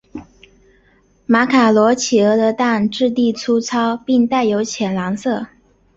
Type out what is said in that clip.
马卡罗尼企鹅的蛋质地粗糙并带有浅蓝色。